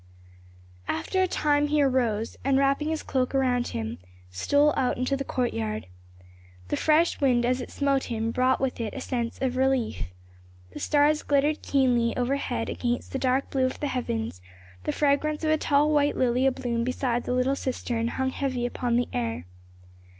After a time he arose, and wrapping his cloak about him, stole out into the courtyard. The fresh wind as it smote him brought with it a sense of relief. The stars glittered keenly overhead against the dark blue of the heavens; the fragrance of a tall white lily abloom beside the little cistern hung heavy upon the air.